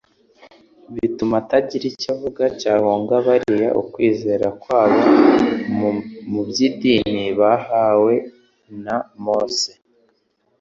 bituma atagira icyo avuga cyahungabariya ukwizera kwabo mu by'idini bahawe na Mose.